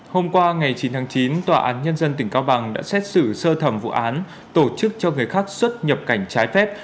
hôm qua ngày chín tháng chín tòa án nhân dân tỉnh cao bằng đã xét xử sơ thẩm vụ án tổ chức cho người khác xuất nhập cảnh trái phép